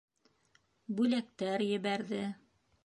Бүләктәр ебәрҙе.